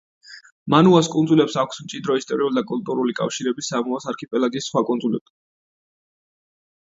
მანუას კუნძულებს აქვთ მჭიდრო ისტორიული და კულტურული კავშირები სამოას არქიპელაგის სხვა კუნძულებთან.